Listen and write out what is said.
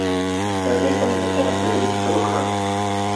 هګل په نولسمه پېړۍ کي څه وکړل؟